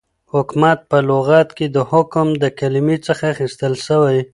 حكومت په لغت كې دحكم دكلمې څخه اخيستل سوی